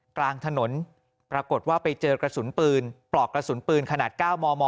กลางถนนปรากฏว่าไปเจอกระสุนปืนปลอกกระสุนปืนขนาด๙มม